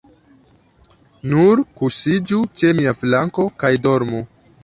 Nur kuŝiĝu ĉe mia flanko kaj dormu.